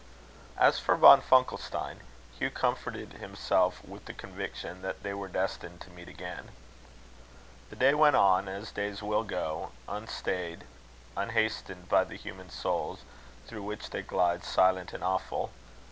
As for Von Funkelstein, Hugh comforted himself with the conviction that they were destined to meet again. The day went on, as days will go, unstayed, unhastened by the human souls, through which they glide silent and awful.